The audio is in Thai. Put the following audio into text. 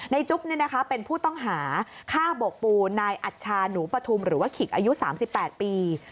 จุ๊บเป็นผู้ต้องหาฆ่าโบกปูนายอัชชาหนูปฐุมหรือว่าขิกอายุ๓๘ปี